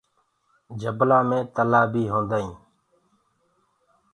جبلآ مي تلآه بي هوندآ هينٚ۔